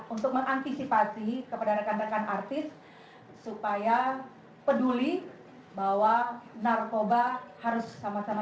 untuk mengantisipasi kepada rekan rekan artis supaya peduli bahwa narkoba harus sama sama